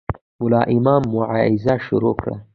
ملا امام موعظه شروع کړه.